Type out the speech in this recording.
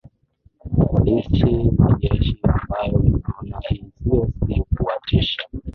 polishi na jeshi ambayo mnaona hii sio si kuwatisha